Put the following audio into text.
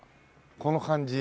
この感じ。